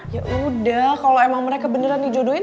ya udah kalo emang mereka beneran di jodohin